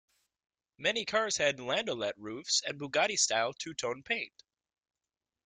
Many cars had landaulet roofs and Bugatti-style two-tone paint.